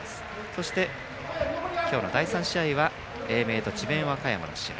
そして今日の第３試合は英明と智弁和歌山の試合。